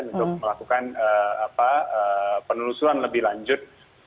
untuk melakukan penelusuran lebih lanjut